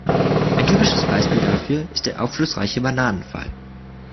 Ein typisches Beispiel dafür ist der aufschlussreiche Bananen-Fall.